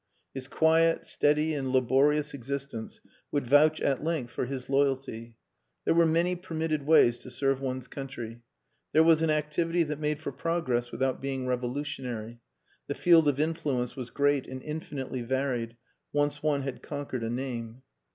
His quiet, steady, and laborious existence would vouch at length for his loyalty. There were many permitted ways to serve one's country. There was an activity that made for progress without being revolutionary. The field of influence was great and infinitely varied once one had conquered a name.